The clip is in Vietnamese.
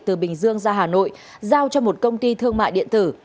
từ bình dương ra hà nội giao cho một công ty thương mại điện tử